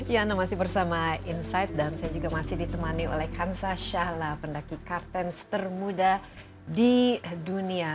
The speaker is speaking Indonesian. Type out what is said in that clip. yana masih bersama insight dan saya juga masih ditemani oleh hansa shahla pendaki kartens termuda di dunia